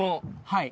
はい。